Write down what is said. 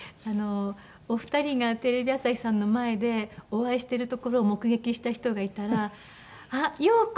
お二人がテレビ朝日さんの前でお会いしてるところを目撃した人がいたら「あっ陽子」